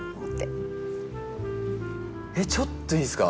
ちょっといいですか？